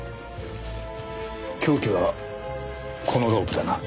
凶器はこのロープだな？